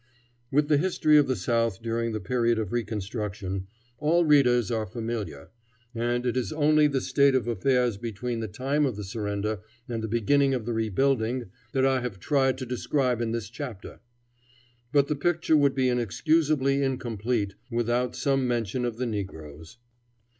With the history of the South during the period of reconstruction, all readers are familiar, and it is only the state of affairs between the time of the surrender and the beginning of the rebuilding, that I have tried to describe in this chapter. But the picture would be inexcusably incomplete without some mention of the negroes.